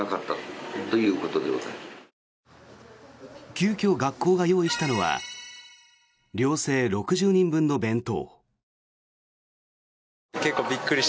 急きょ学校が用意したのは寮生６０人分の弁当。